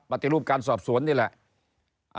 ปฏิรูปการสอบสวนนี่แหละ